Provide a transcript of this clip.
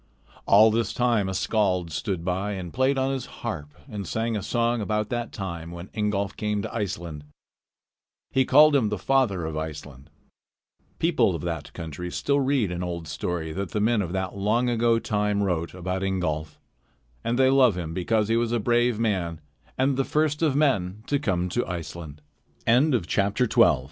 All this time a skald stood by and played on his harp and sang a song about that time when Ingolf came to Iceland. He called him the father of Iceland. People of that country still read an old story that the men of that long ago time wrote about Ingolf, and they love him because he was a brave man and "t